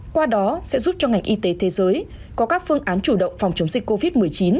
qua đó sẽ giúp cho ngành y tế thế giới có các phương án chủ động phòng chống dịch covid một mươi chín